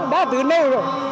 ba từ nâu rồi